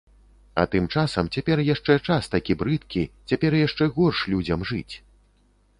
А тым часам цяпер яшчэ час такі брыдкі, цяпер яшчэ горш людзям жыць.